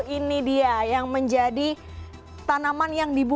dua ribu dua puluh ini dia yang menjadi tanaman yang dibunuh